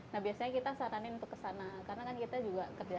nah biasanya kita saranin untuk kesana karena kan kita juga kerja